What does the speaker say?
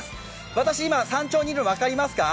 私、今、山頂にいるの分かりますか？